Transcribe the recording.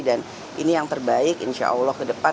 dan ini yang terbaik insya allah ke depan